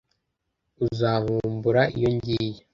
Uzankumbura iyo ngiye